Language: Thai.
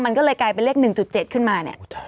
มันก็เลยกลายเป็นเลข๑๗ขึ้นมาเนี่ย